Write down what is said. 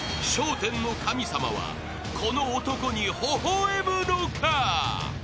１０の神様はこの男にほほ笑むのか？］